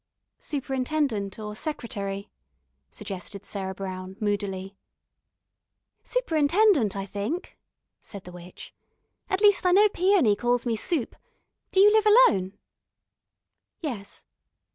"Superintendent or secretary," suggested Sarah Brown moodily. "Superintendent, I think," said the witch. "At least I know Peony calls me Soup. Do you live alone?" "Yes."